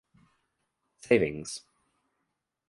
Savings.